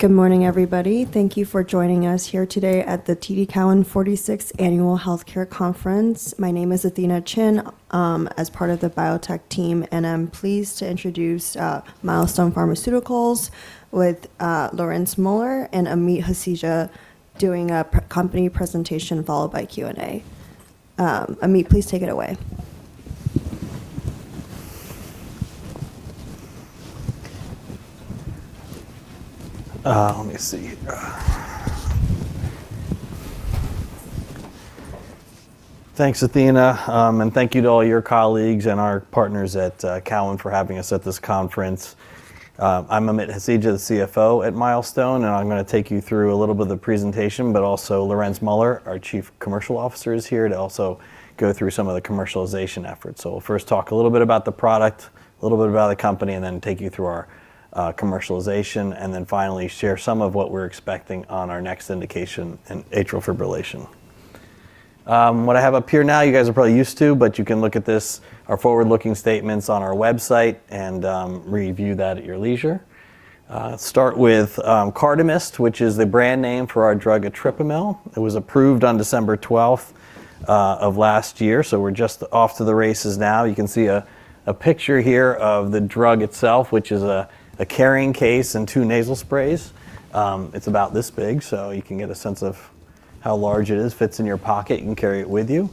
Good morning, everybody. Thank you for joining us here today at the TD Cowen 46th Annual Healthcare Conference. My name is Athena Chin, as part of the biotech team, and I'm pleased to introduce Milestone Pharmaceuticals with Lorenz Muller and Amit Hasija doing a company presentation, followed by Q&A. Amit, please take it away. Let me see. Thanks, Athena. And thank you to all your colleagues and our partners at Cowen for having us at this conference. I'm Amit Hasija, the CFO at Milestone, and I'm gonna take you through a little bit of the presentation, but also Lorenz Muller, our chief commercial officer, is here to also go through some of the commercialization efforts. We'll first talk a little bit about the product, a little bit about the company, and then take you through our commercialization, and then finally share some of what we're expecting on our next indication in atrial fibrillation. What I have up here now, you guys are probably used to, but you can look at this, our forward-looking statements on our website and review that at your leisure. Start with CARDAMYST, which is the brand name for our drug etripamil. It was approved on December 12th of last year. We're just off to the races now. You can see a picture here of the drug itself, which is a carrying case and two nasal sprays. It's about this big, so you can get a sense of how large it is. Fits in your pocket, you can carry it with you.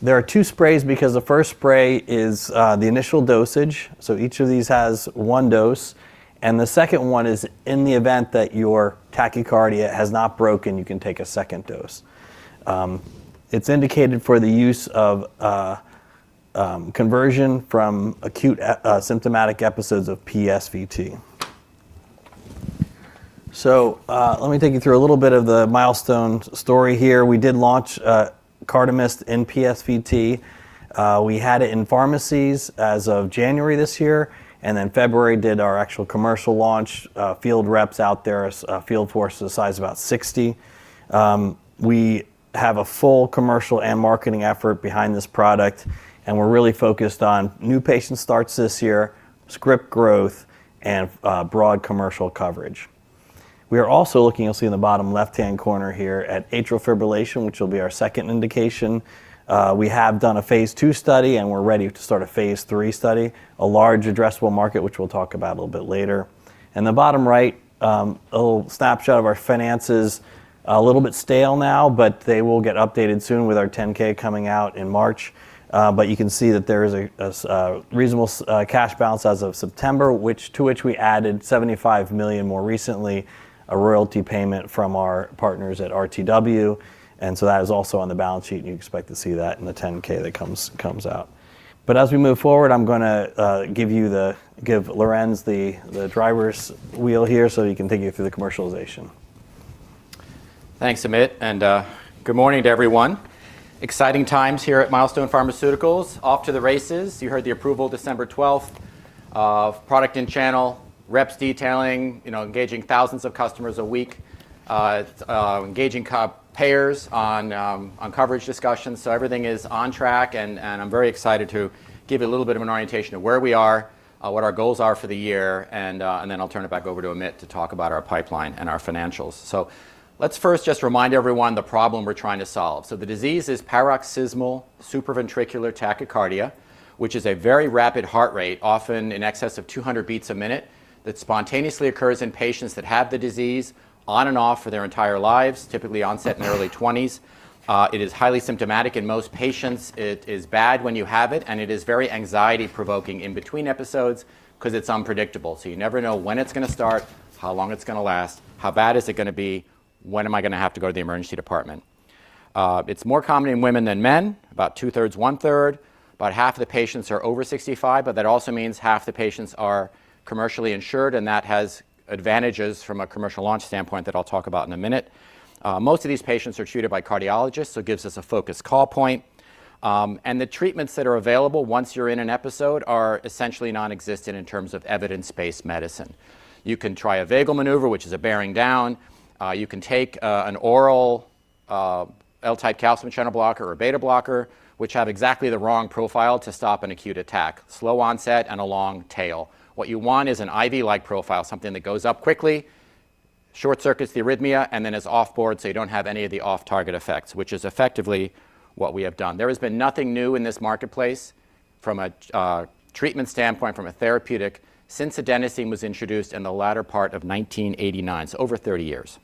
There are two sprays because the first spray is the initial dosage. Each of these has one dose, and the second one is in the event that your tachycardia has not broken, you can take a second dose. It's indicated for the use of conversion from acute symptomatic episodes of PSVT. Let me take you through a little bit of the Milestone story here. We did launch CARDAMYST in PSVT. We had it in pharmacies as of January this year, and in February did our actual commercial launch. Field reps out there, a field force the size of about 60. We have a full commercial and marketing effort behind this product, and we're really focused on new patient starts this year, script growth, and broad commercial coverage. We are also looking, you'll see in the bottom left-hand corner here, at atrial fibrillation, which will be our second indication. We have done a Phase II study, and we're ready to start a Phase III study, a large addressable market which we'll talk about a little bit later. In the bottom right, a little snapshot of our finances. A little bit stale now, they will get updated soon with our 10-K coming out in March. You can see that there is a reasonable cash balance as of September, which, to which we added $75 million more recently, a royalty payment from our partners at RTW, and so that is also on the balance sheet, and you expect to see that in the 10-K that comes out. As we move forward, I'm gonna give Lorenz the driver's wheel here, so he can take you through the commercialization. Thanks, Amit. Good morning to everyone. Exciting times here at Milestone Pharmaceuticals, off to the races. You heard the approval December 12th of product in channel, reps detailing, you know, engaging thousands of customers a week, engaging copayors on coverage discussions. Everything is on track, and I'm very excited to give a little bit of an orientation of where we are, what our goals are for the year, then I'll turn it back over to Amit to talk about our pipeline and our financials. Let's first just remind everyone the problem we're trying to solve. The disease is paroxysmal supraventricular tachycardia, which is a very rapid heart rate, often in excess of 200 beats a minute, that spontaneously occurs in patients that have the disease on and off for their entire lives, typically onset in early twenties. It is highly symptomatic in most patients. It is bad when you have it, and it is very anxiety-provoking in between episodes because it's unpredictable. You never know when it's gonna start, how long it's gonna last, how bad is it gonna be, when am I gonna have to go to the emergency department. It's more common in women than men, about 2/3, 1/3. About half of the patients are over 65, but that also means half the patients are commercially insured, and that has advantages from a commercial launch standpoint that I'll talk about in a minute. Most of these patients are treated by cardiologists, so it gives us a focused call point. The treatments that are available once you're in an episode are essentially nonexistent in terms of evidence-based medicine. You can try a vagal maneuver, which is a bearing down. You can take an oral L-type calcium channel blocker or a beta blocker, which have exactly the wrong profile to stop an acute attack, slow onset and a long tail. What you want is an IV-like profile, something that goes up quickly, short-circuits the arrhythmia, and then is off-board, so you don't have any of the off-target effects, which is effectively what we have done. There has been nothing new in this marketplace from a treatment standpoint, from a therapeutic, since adenosine was introduced in the latter part of 1989, so over 30 years.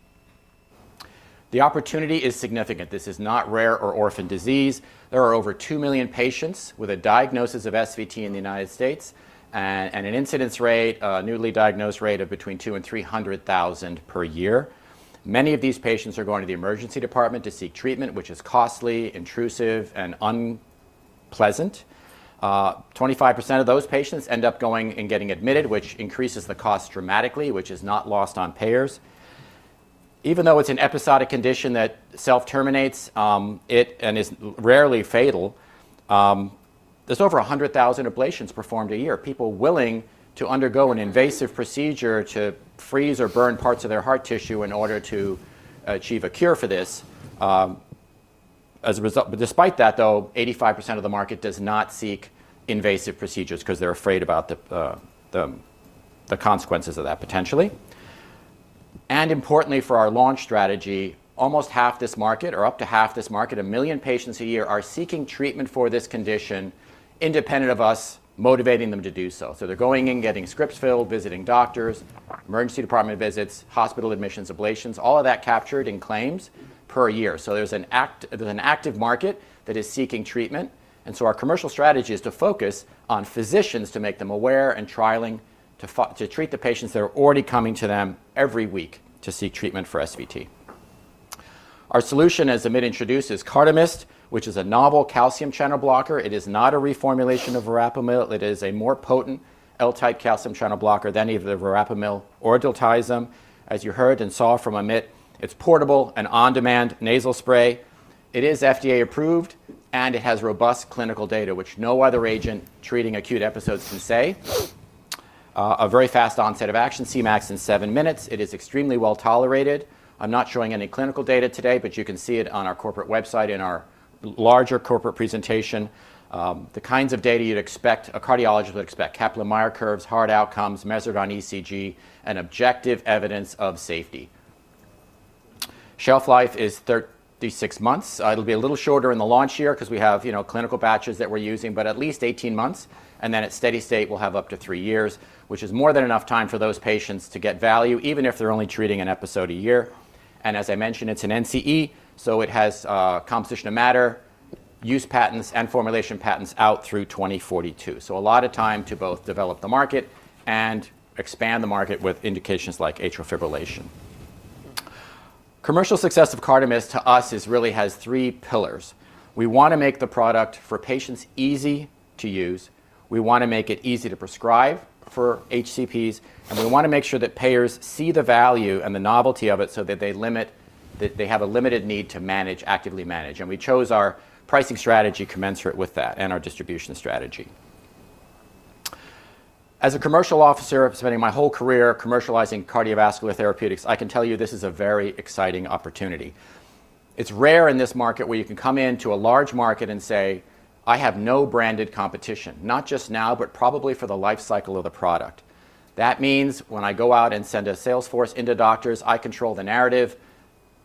The opportunity is significant. This is not rare or orphan disease. There are over 2 million patients with a diagnosis of SVT in the United States and an incidence rate, newly diagnosed rate of between 200,000-300,000 per year. Many of these patients are going to the emergency department to seek treatment, which is costly, intrusive, and unpleasant. 25% of those patients end up going and getting admitted, which increases the cost dramatically, which is not lost on payers. Even though it's an episodic condition that self-terminates, it, and is rarely fatal, there's over 100,000 ablations performed a year. People willing to undergo an invasive procedure to freeze or burn parts of their heart tissue in order to achieve a cure for this. Despite that, though, 85% of the market does not seek invasive procedures 'cause they're afraid about the consequences of that potentially. Importantly for our launch strategy, almost half this market, or up to half this market, 1 million patients a year, are seeking treatment for this condition independent of us motivating them to do so. They're going and getting scripts filled, visiting doctors, emergency department visits, hospital admissions, ablations, all of that captured in claims per year. There's an active market that is seeking treatment. Our commercial strategy is to focus on physicians to make them aware and trialing to treat the patients that are already coming to them every week to seek treatment for SVT. Our solution, as Amit introduced, is CARDAMYST, which is a novel calcium channel blocker. It is not a reformulation of verapamil. It is a more potent L-type calcium channel blocker than either verapamil or diltiazem. As you heard and saw from Amit, it's portable and on-demand nasal spray. It is FDA-approved, and it has robust clinical data, which no other agent treating acute episodes can say. A very fast onset of action, Cmax in 7 minutes. It is extremely well-tolerated. I'm not showing any clinical data today, but you can see it on our corporate website in our larger corporate presentation. The kinds of data you'd expect, a cardiologist would expect, Kaplan-Meier curves, hard outcomes measured on ECG, and objective evidence of safety. Shelf life is 36 months. It'll be a little shorter in the launch year 'cause we have, you know, clinical batches that we're using, but at least 18 months. Then at steady state, we'll have up to 3 years, which is more than enough time for those patients to get value, even if they're only treating an episode a year. As I mentioned, it's an NCE, so it has composition of matter, use patents, and formulation patents out through 2042. A lot of time to both develop the market and expand the market with indications like atrial fibrillation. Commercial success of CARDAMYST to us is really has 3 pillars. We wanna make the product for patients easy to use, we wanna make it easy to prescribe for HCPs, and we wanna make sure that payers see the value and the novelty of it so that they have a limited need to manage, actively manage. We chose our pricing strategy commensurate with that and our distribution strategy. As a commercial officer spending my whole career commercializing cardiovascular therapeutics, I can tell you this is a very exciting opportunity. It's rare in this market where you can come into a large market and say, "I have no branded competition, not just now, but probably for the life cycle of the product." That means when I go out and send a sales force into doctors, I control the narrative.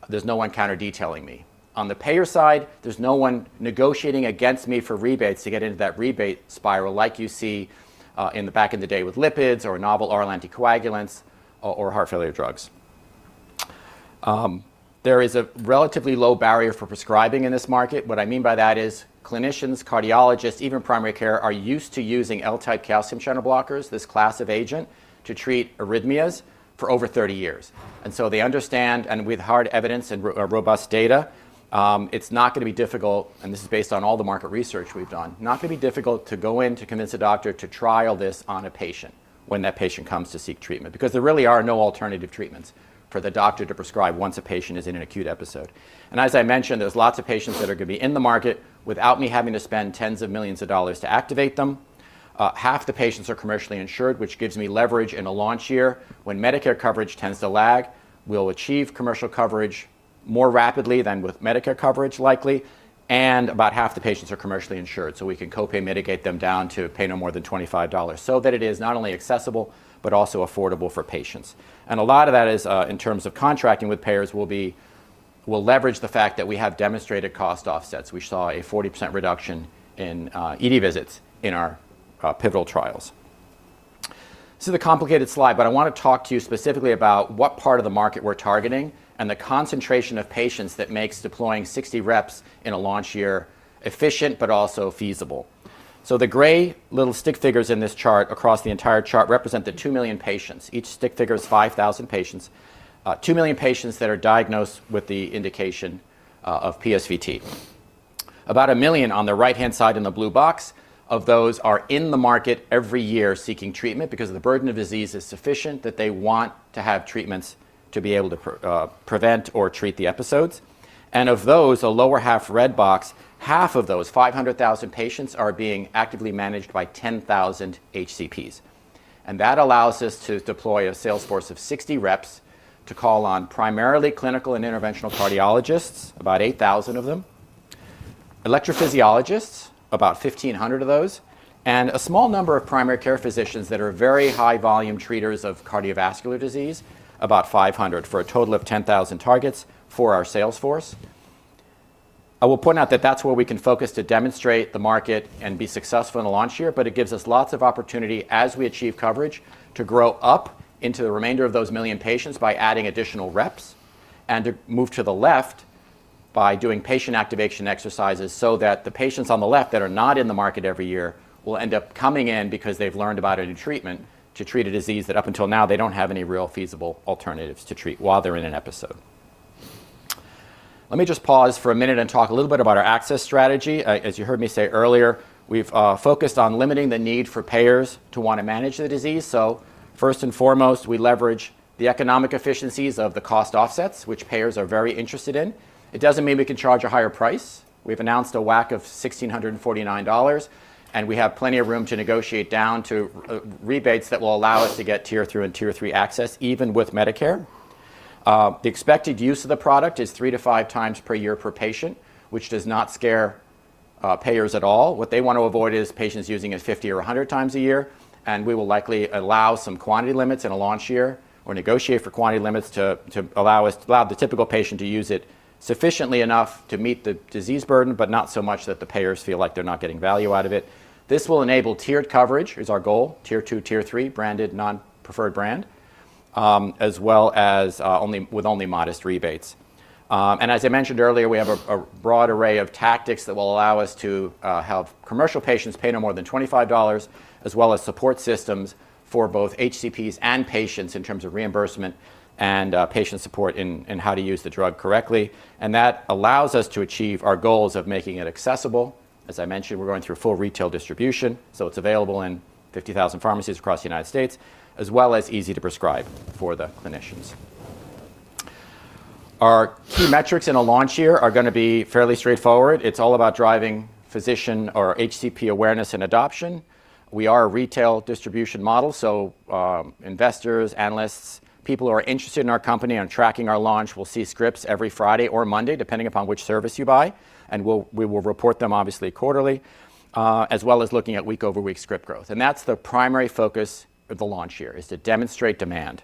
There's no one counter-detailing me. On the payer side, there's no one negotiating against me for rebates to get into that rebate spiral like you see in the back in the day with lipids or novel oral anticoagulants or heart failure drugs. There is a relatively low barrier for prescribing in this market. What I mean by that is clinicians, cardiologists, even primary care, are used to using L-type calcium channel blockers, this class of agent, to treat arrhythmias for over 30 years. They understand, and with hard evidence and robust data, it's not gonna be difficult, and this is based on all the market research we've done, not gonna be difficult to go in to convince a doctor to trial this on a patient when that patient comes to seek treatment because there really are no alternative treatments for the doctor to prescribe once a patient is in an acute episode. As I mentioned, there's lots of patients that are gonna be in the market without me having to spend tens of millions of dollars to activate them. Half the patients are commercially insured, which gives me leverage in a launch year when Medicare coverage tends to lag. We'll achieve commercial coverage more rapidly than with Medicare coverage likely. About half the patients are commercially insured, so we can co-pay mitigate them down to pay no more than $25, so that it is not only accessible but also affordable for patients. A lot of that is in terms of contracting with payers will leverage the fact that we have demonstrated cost offsets. We saw a 40% reduction in ED visits in our pivotal trials. This is a complicated slide, but I wanna talk to you specifically about what part of the market we're targeting and the concentration of patients that makes deploying 60 reps in a launch year efficient but also feasible. The gray little stick figures in this chart across the entire chart represent the 2 million patients. Each stick figure is 5,000 patients, 2 million patients that are diagnosed with the indication of PSVT. About 1 million on the right-hand side in the blue box of those are in the market every year seeking treatment because the burden of disease is sufficient that they want to have treatments to be able to prevent or treat the episodes. Of those, the lower half red box, half of those, 500,000 patients, are being actively managed by 10,000 HCPs. That allows us to deploy a sales force of 60 reps to call on primarily clinical and interventional cardiologists, about 8,000 of them, electrophysiologists, about 1,500 of those, and a small number of primary care physicians that are very high-volume treaters of cardiovascular disease, about 500, for a total of 10,000 targets for our sales force. I will point out that that's where we can focus to demonstrate the market and be successful in the launch year. It gives us lots of opportunity as we achieve coverage to grow up into the remainder of those million patients by adding additional reps and to move to the left by doing patient activation exercises so that the patients on the left that are not in the market every year will end up coming in because they've learned about a new treatment to treat a disease that up until now they don't have any real feasible alternatives to treat while they're in an episode. Let me just pause for 1 minute and talk a little bit about our access strategy. As you heard me say earlier, we've focused on limiting the need for payers to wanna manage the disease. First and foremost, we leverage the economic efficiencies of the cost offsets, which payers are very interested in. It doesn't mean we can charge a higher price. We've announced a WAC of $1,649, and we have plenty of room to negotiate down to rebates that will allow us to get tier-two and tier-three access even with Medicare. The expected use of the product is 3 to 5 times per year per patient, which does not scare payers at all. What they want to avoid is patients using it 50 or 100 times a year, and we will likely allow some quantity limits in a launch year or negotiate for quantity limits to allow the typical patient to use it sufficiently enough to meet the disease burden, but not so much that the payers feel like they're not getting value out of it. This will enable tiered coverage, is our goal, tier 2, tier 3, branded, non-preferred brand, as well as with only modest rebates. As I mentioned earlier, we have a broad array of tactics that will allow us to have commercial patients pay no more than $25, as well as support systems for both HCPs and patients in terms of reimbursement and patient support in how to use the drug correctly. That allows us to achieve our goals of making it accessible. As I mentioned, we're going through a full retail distribution, so it's available in 50,000 pharmacies across the United States, as well as easy to prescribe for the clinicians. Our key metrics in a launch year are gonna be fairly straightforward. It's all about driving physician or HCP awareness and adoption. We are a retail distribution model, so investors, analysts, people who are interested in our company and tracking our launch will see scripts every Friday or Monday, depending upon which service you buy, and we will report them obviously quarterly, as well as looking at week-over-week script growth. That's the primary focus of the launch year, is to demonstrate demand.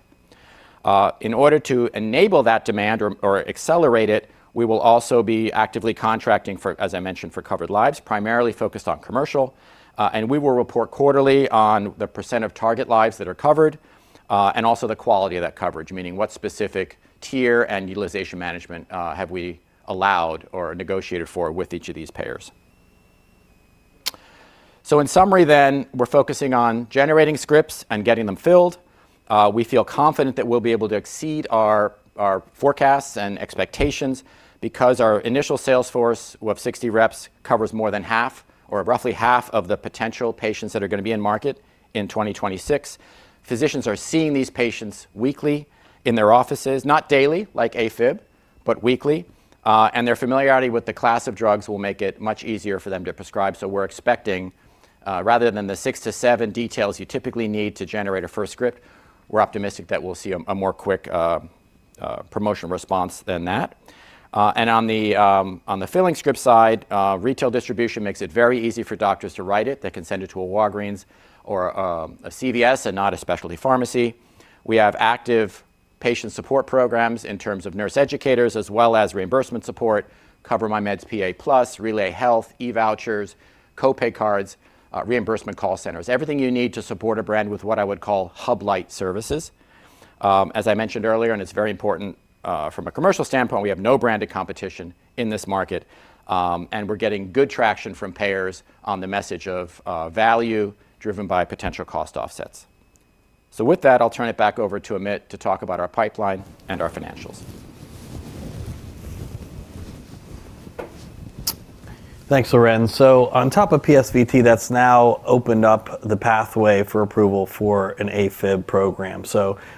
In order to enable that demand or accelerate it, we will also be actively contracting for, as I mentioned, for covered lives, primarily focused on commercial, and we will report quarterly on the % of target lives that are covered, and also the quality of that coverage, meaning what specific tier and utilization management have we allowed or negotiated for with each of these payers. In summary, we're focusing on generating scripts and getting them filled. We feel confident that we'll be able to exceed our forecasts and expectations because our initial sales force, we have 60 reps, covers more than half or roughly half of the potential patients that are gonna be in market in 2026. Physicians are seeing these patients weekly in their offices, not daily like AFib, but weekly, and their familiarity with the class of drugs will make it much easier for them to prescribe. We're expecting, rather than the 6 to 7 details you typically need to generate a first script, we're optimistic that we'll see a more quick promotion response than that. On the filling script side, retail distribution makes it very easy for doctors to write it. They can send it to a Walgreens or a CVS and not a specialty pharmacy. We have active patient support programs in terms of nurse educators as well as reimbursement support, CoverMyMeds PA Plus, RelayHealth, eVouchers, co-pay cards, reimbursement call centers, everything you need to support a brand with what I would call hub-like services. As I mentioned earlier, and it's very important, from a commercial standpoint, we have no branded competition in this market, and we're getting good traction from payers on the message of value driven by potential cost offsets. With that, I'll turn it back over to Amit to talk about our pipeline and our financials. Thanks, Lorenz. On top of PSVT, that's now opened up the pathway for approval for an AFib program.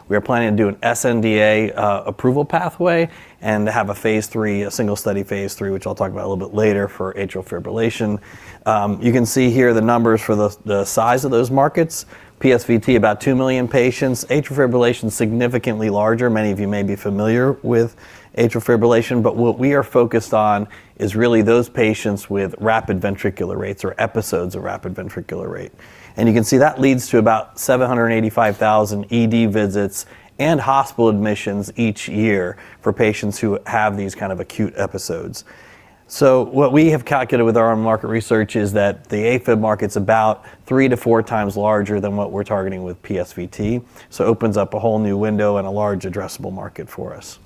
We are planning to do an sNDA approval pathway and to have a Phase III, a single study Phase III, which I'll talk about a little bit later for atrial fibrillation. You can see here the numbers for the size of those markets. PSVT, about 2 million patients. Atrial fibrillation is significantly larger. Many of you may be familiar with atrial fibrillation, but what we are focused on is really those patients with rapid ventricular rates or episodes of rapid ventricular rate. You can see that leads to about 785,000 ED visits and hospital admissions each year for patients who have these kind of acute episodes. What we have calculated with our own market research is that the AFib market's about 3-4 times larger than what we're targeting with PSVT, so opens up a whole new window and a large addressable market for us.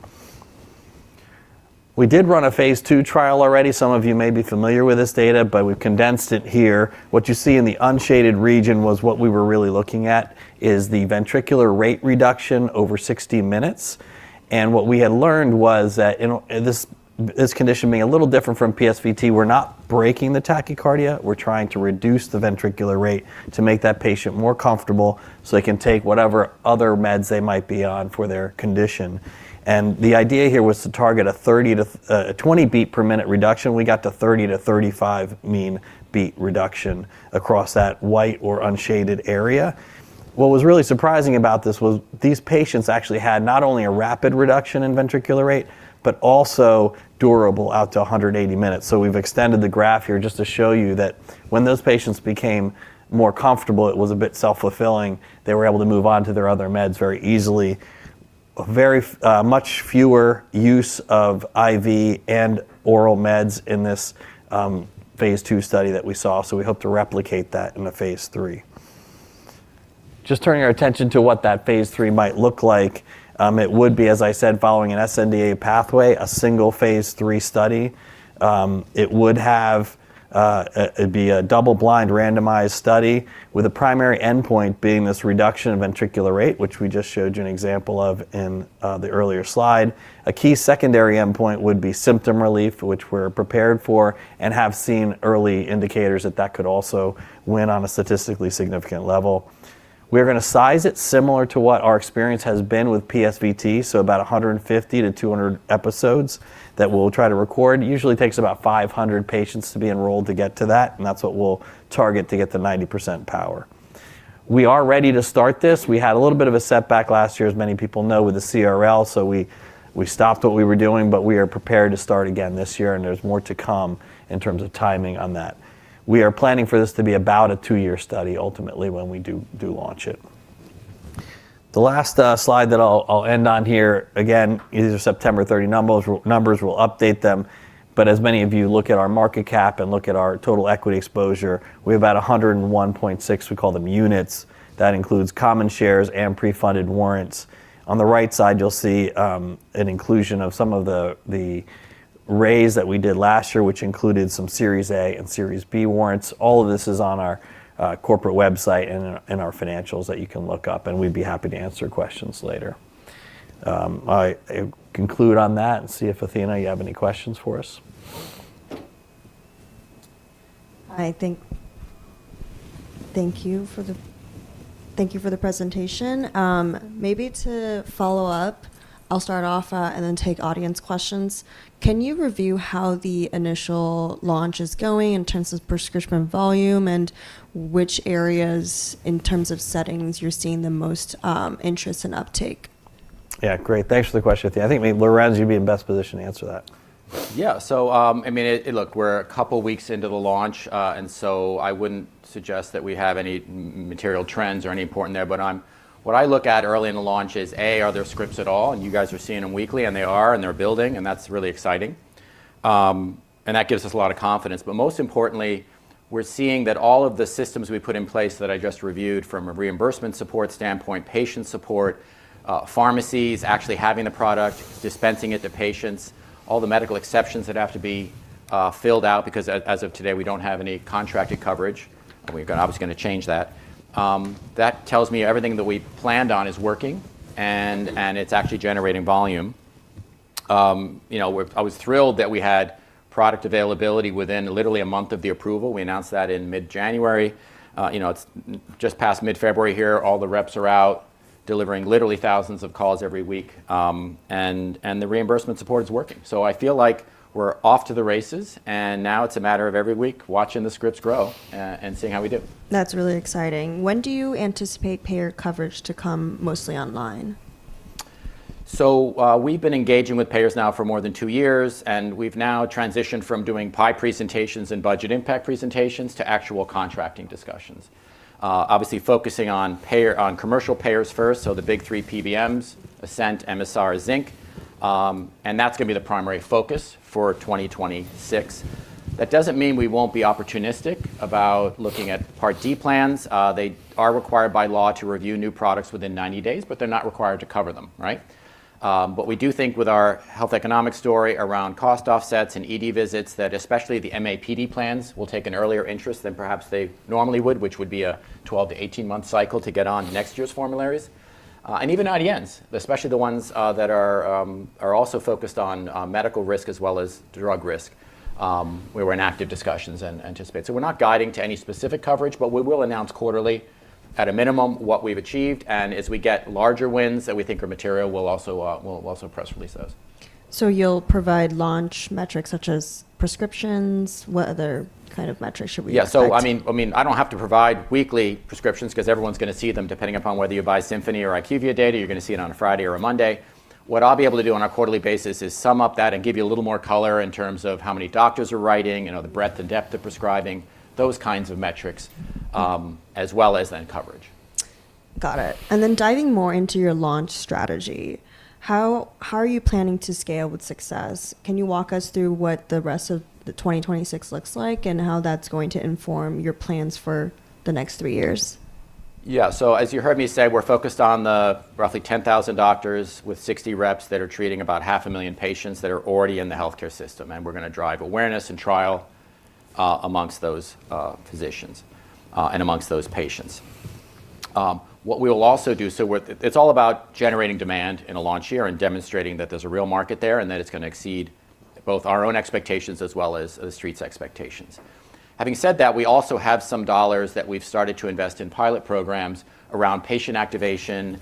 We did run a Phase II trial already. Some of you may be familiar with this data, but we've condensed it here. What you see in the unshaded region was what we were really looking at, is the ventricular rate reduction over 60 minutes. What we had learned was that in this condition being a little different from PSVT, we're not breaking the tachycardia, we're trying to reduce the ventricular rate to make that patient more comfortable so they can take whatever other meds they might be on for their condition. The idea here was to target a 30 to a 20 beat per minute reduction. We got to 30 to 35 mean beat reduction across that white or unshaded area. What was really surprising about this was these patients actually had not only a rapid reduction in ventricular rate, but also durable out to 180 minutes. We've extended the graph here just to show you that when those patients became more comfortable, it was a bit self-fulfilling. They were able to move on to their other meds very easily. Much fewer use of IV and oral meds in this Phase II study that we saw, we hope to replicate that in the Phase III. Just turning our attention to what that Phase III might look like, it would be, as I said, following an sNDA pathway, a single Phase III study. It would have, it'd be a double blind randomized study with a primary endpoint being this reduction in ventricular rate, which we just showed you an example of in the earlier slide. A key secondary endpoint would be symptom relief, which we're prepared for and have seen early indicators that that could also win on a statistically significant level. We are gonna size it similar to what our experience has been with PSVT, so about 150-200 episodes that we'll try to record. It usually takes about 500 patients to be enrolled to get to that, and that's what we'll target to get the 90% power. We are ready to start this. We had a little bit of a setback last year, as many people know, with the CRL. We stopped what we were doing, but we are prepared to start again this year, and there's more to come in terms of timing on that. We are planning for this to be about a 2-year study ultimately when we do launch it. The last slide that I'll end on here, again, these are September 30 numbers, we'll update them. As many of you look at our market cap and look at our total equity exposure, we have about 101.6, we call them units. That includes common shares and pre-funded warrants. On the right side, you'll see an inclusion of some of the raise that we did last year, which included some Series A and Series B warrants. All of this is on our corporate website and our financials that you can look up, and we'd be happy to answer questions later. I conclude on that and see if, Athena, you have any questions for us. Thank you for the presentation. Maybe to follow up, I'll start off, and then take audience questions. Can you review how the initial launch is going in terms of prescription volume and which areas in terms of settings you're seeing the most interest and uptake? Great. Thanks for the question, Athena. I think maybe Lorenz's gonna be in best position to answer that. Yeah. I mean, Look, we're a couple of weeks into the launch, and so I wouldn't suggest that we have any material trends or any important there, but, what I look at early in the launch is, A, are there scripts at all? You guys are seeing them weekly, and they are, and they're building, and that's really exciting. That gives us a lot of confidence. Most importantly, we're seeing that all of the systems we put in place that I just reviewed from a reimbursement support standpoint, patient support, pharmacies actually having the product, dispensing it to patients, all the medical exceptions that have to be, filled out because as of today, we don't have any contracted coverage, and we're obviously gonna change that. That tells me everything that we planned on is working and it's actually generating volume. You know, I was thrilled that we had product availability within literally 1 month of the approval. We announced that in mid-January. You know, it's just past mid-February here. All the reps are out delivering literally thousands of calls every week and the reimbursement support is working. I feel like we're off to the races, and now it's a matter of every week watching the scripts grow and seeing how we do. That's really exciting. When do you anticipate payer coverage to come mostly online? We've been engaging with payers now for more than 2 years, and we've now transitioned from doing pie presentations and budget impact presentations to actual contracting discussions. Obviously focusing on commercial payers first, so the big three PBMs, Ascent, Emisar, Zinc, and that's gonna be the primary focus for 2026. That doesn't mean we won't be opportunistic about looking at Part D plans. They are required by law to review new products within 90 days, but they're not required to cover them, right? But we do think with our health economic story around cost offsets and ED visits that especially the MAPD plans will take an earlier interest than perhaps they normally would, which would be a 12- to 18-month cycle to get on next year's formularies. Even IDNs, especially the ones that are also focused on medical risk as well as drug risk, we were in active discussions and anticipate. We're not guiding to any specific coverage, but we will announce quarterly at a minimum what we've achieved. As we get larger wins that we think are material, we'll also press release those. You'll provide launch metrics such as prescriptions. What other kind of metrics should we expect? Yeah. I mean, I don't have to provide weekly prescriptions 'cause everyone's gonna see them depending upon whether you buy Symphony or IQVIA data, you're gonna see it on a Friday or a Monday. What I'll be able to do on a quarterly basis is sum up that and give you a little more color in terms of how many doctors are writing and the breadth and depth of prescribing, those kinds of metrics, as well as then coverage. Got it. Diving more into your launch strategy, how are you planning to scale with success? Can you walk us through what the rest of 2026 looks like and how that's going to inform your plans for the next 3 years? Yeah. As you heard me say, we're focused on the roughly 10,000 doctors with 60 reps that are treating about 500,000 patients that are already in the healthcare system, and we're gonna drive awareness and trial amongst those physicians and amongst those patients. What we will also do. It's all about generating demand in a launch year and demonstrating that there's a real market there and that it's gonna exceed both our own expectations as well as the street's expectations. Having said that, we also have some dollars that we've started to invest in pilot programs around patient activation,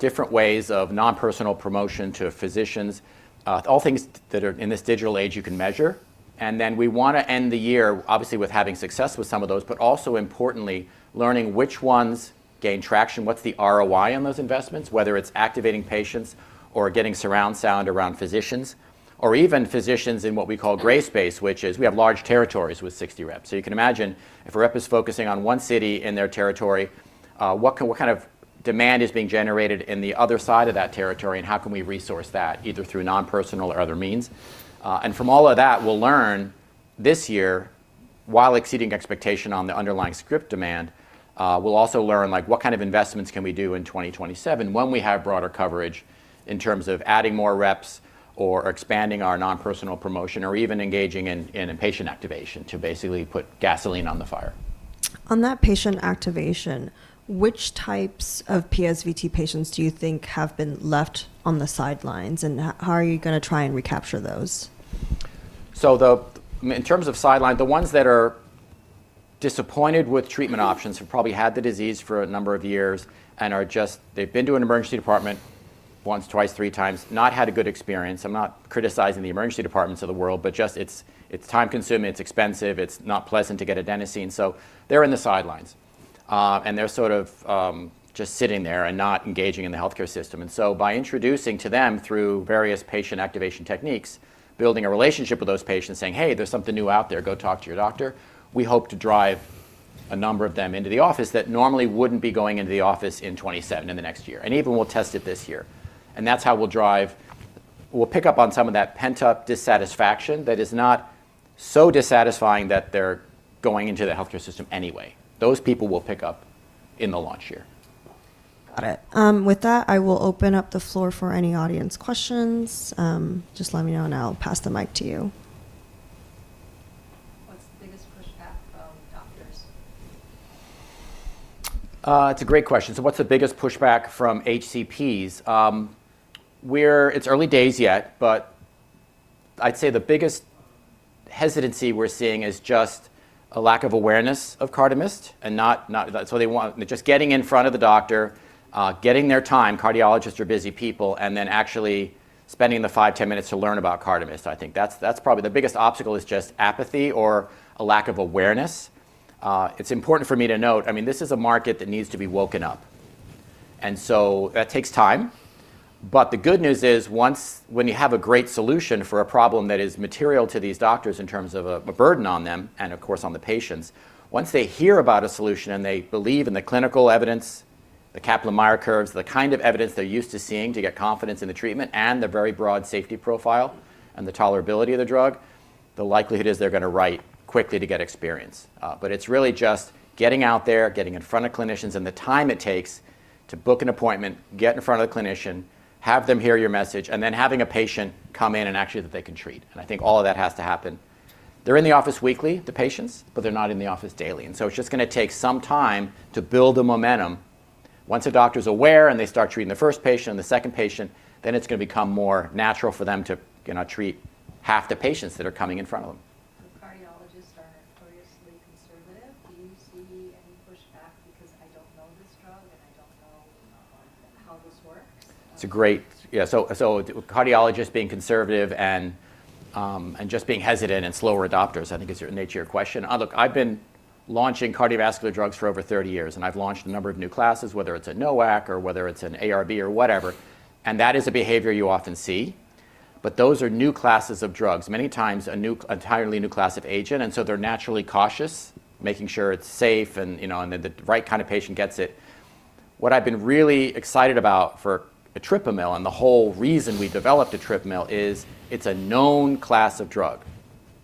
different ways of non-personal promotion to physicians, all things that are, in this digital age, you can measure. We wanna end the year, obviously, with having success with some of those, but also importantly, learning which ones gain traction, what's the ROI on those investments, whether it's activating patients or getting surround sound around physicians or even physicians in what we call gray space, which is we have large territories with 60 reps. You can imagine if a rep is focusing on one city in their territory, what kind of demand is being generated in the other side of that territory, and how can we resource that either through non-personal or other means? From all of that, we'll learn this year, while exceeding expectation on the underlying script demand, we'll also learn, like, what kind of investments can we do in 2027 when we have broader coverage in terms of adding more reps or expanding our non-personal promotion or even engaging in patient activation to basically put gasoline on the fire. On that patient activation, which types of PSVT patients do you think have been left on the sidelines, and how are you gonna try and recapture those? I mean, in terms of sideline, the ones that are disappointed with treatment options, have probably had the disease for a number of years and are just. They've been to an emergency department once, twice, 3 times, not had a good experience. I'm not criticizing the emergency departments of the world, but just it's time-consuming, it's expensive, it's not pleasant to get adenosine, so they're in the sidelines. And they're sort of just sitting there and not engaging in the healthcare system. By introducing to them through various patient activation techniques, building a relationship with those patients, saying, "Hey, there's something new out there. Go talk to your doctor," we hope to drive a number of them into the office that normally wouldn't be going into the office in 27, in the next year. Even we'll test it this year. That's how we'll pick up on some of that pent-up dissatisfaction that is not so dissatisfying that they're going into the healthcare system anyway. Those people will pick up in the launch year. Got it. With that, I will open up the floor for any audience questions. Just let me know, and I'll pass the mic to you. What's the biggest pushback from doctors? It's a great question. What's the biggest pushback from HCPs? It's early days yet, but I'd say the biggest hesitancy we're seeing is just a lack of awareness of CARDAMYST and Just getting in front of the doctor, getting their time, cardiologists are busy people, and then actually spending the 5, 10 minutes to learn about CARDAMYST. I think that's probably the biggest obstacle is just apathy or a lack of awareness. It's important for me to note, I mean, this is a market that needs to be woken up, that takes time. The good news is, when you have a great solution for a problem that is material to these doctors in terms of a burden on them and, of course, on the patients, once they hear about a solution and they believe in the clinical evidence, the Kaplan-Meier curves, the kind of evidence they're used to seeing to get confidence in the treatment, and the very broad safety profile and the tolerability of the drug, the likelihood is they're gonna write quickly to get experience. It's really just getting out there, getting in front of clinicians, and the time it takes to book an appointment, get in front of the clinician, have them hear your message, and then having a patient come in and actually that they can treat. I think all of that has to happen. They're in the office weekly, the patients, but they're not in the office daily. It's just gonna take some time to build the momentum. Once a doctor is aware, and they start treating the first patient and the second patient, then it's gonna become more natural for them to, you know, treat half the patients that are coming in front of them. The cardiologists are notoriously conservative. Do you see any pushback because I don't know this drug, and I don't know, how this works? It's a great. Yeah. Cardiologists being conservative and just being hesitant and slower adopters, I think is the nature of your question. Look, I've been launching cardiovascular drugs for over 30 years, and I've launched a number of new classes, whether it's a NOAC or whether it's an ARB or whatever, and that is a behavior you often see. Those are new classes of drugs, many times an entirely new class of agent, and so they're naturally cautious, making sure it's safe and, you know, and the right kind of patient gets it. What I've been really excited about for etripamil, and the whole reason we developed etripamil is it's a known class of drug.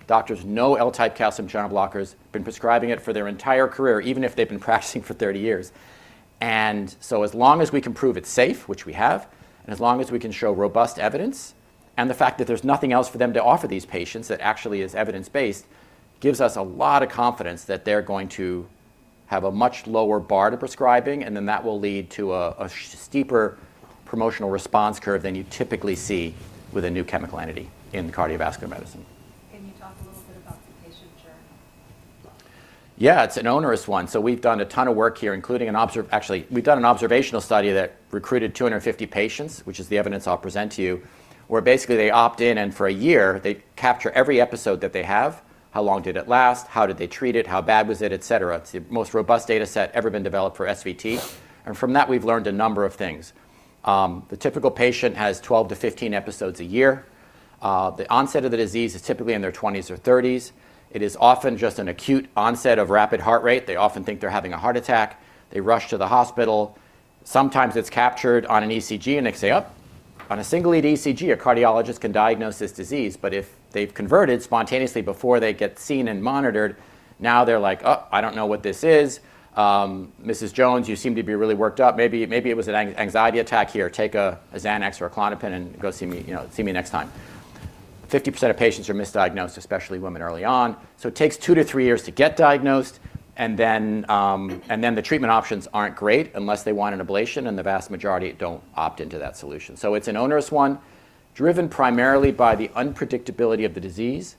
Doctors know L-type calcium channel blockers. Been prescribing it for their entire career, even if they've been practicing for 30 years. As long as we can prove it's safe, which we have, and as long as we can show robust evidence, and the fact that there's nothing else for them to offer these patients that actually is evidence-based, gives us a lot of confidence that they're going to have a much lower bar to prescribing, and then that will lead to a steeper promotional response curve than you typically see with a new chemical entity in cardiovascular medicine. Can you talk a little bit about the patient journey? Yeah. It's an onerous one. Actually, we've done an observational study that recruited 250 patients, which is the evidence I'll present to you, where basically they opt in, and for a year, they capture every episode that they have, how long did it last, how did they treat it, how bad was it, et cetera. It's the most robust data set ever been developed for SVT. From that, we've learned a number of things. The typical patient has 12-15 episodes a year. The onset of the disease is typically in their 20s or 30s. It is often just an acute onset of rapid heart rate. They often think they're having a heart attack. They rush to the hospital. Sometimes it's captured on an ECG. They say, "Oh." On a single-lead ECG, a cardiologist can diagnose this disease. If they've converted spontaneously before they get seen and monitored, now they're like, "Oh, I don't know what this is. Mrs. Jones, you seem to be really worked up. Maybe it was an anxiety attack. Here, take a Xanax or a Klonopin and go see me, you know, see me next time." 50% of patients are misdiagnosed, especially women early on. It takes 2-3 years to get diagnosed, and then the treatment options aren't great unless they want an ablation, and the vast majority don't opt into that solution. It's an onerous one, driven primarily by the unpredictability of the disease,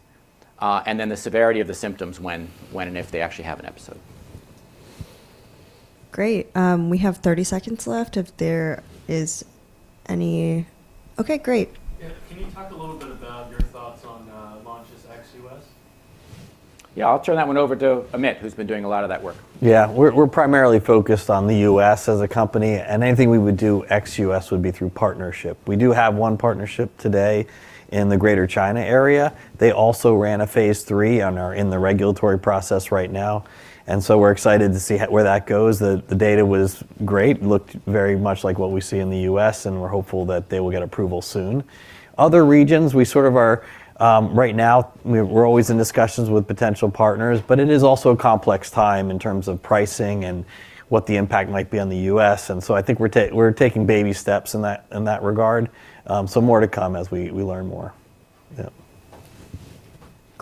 and then the severity of the symptoms when and if they actually have an episode. Great. We have 30 seconds left. Okay, great. Yeah. Can you talk a little bit about your thoughts on launches ex-U.S.? Yeah, I'll turn that one over to Amit, who's been doing a lot of that work. Yeah. We're primarily focused on the U.S. as a company. Anything we would do ex-U.S. would be through partnership. We do have one partnership today in the Greater China area. They also ran a phase three. Are in the regulatory process right now. We're excited to see where that goes. The data was great. Looked very much like what we see in the U.S. We're hopeful that they will get approval soon. Other regions, we sort of are. Right now we're always in discussions with potential partners. It is also a complex time in terms of pricing and what the impact might be on the U.S. I think we're taking baby steps in that, in that regard. More to come as we learn more.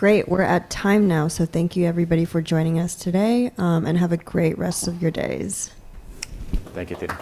Yeah. Great. We're at time now, so thank you everybody for joining us today. Have a great rest of your days. Thank you. Take care.